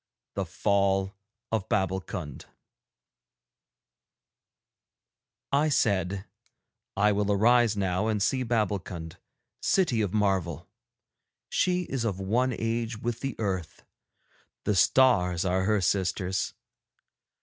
The Fall of Babbulkund I said: 'I will arise now and see Babbulkund, City of Marvel. She is of one age with the earth; the stars are her sisters.